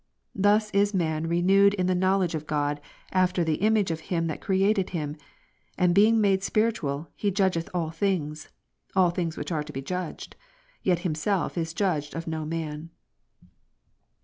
Thus is man renewed in the knowledge of God, after the image of Co]. 3, Him that created him : and being made spiritual, hejudgeth ^^.^^^ all things, (all things which are to be judged,) yet himself is 2, 15. judged of no man.